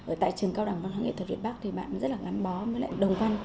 ở tại trường cao đẳng văn hóa nghệ thuật việt bắc thì bạn rất là gắn bó với lại đồng văn